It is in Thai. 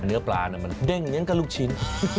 เนื้อปลาเนี่ยมันเด้งอย่างกับลูกชิ้น